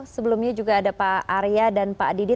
sebelumnya juga ada pak arya dan pak didi